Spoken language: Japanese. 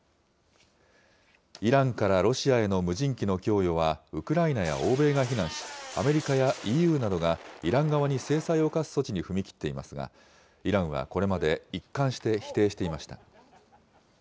イランからロシアへの無人機の供与はウクライナや欧米が非難し、アメリカやＥＵなどがイラン側に制裁を科す措置に踏み切っていますが、イランはこれまで一貫して否定していました。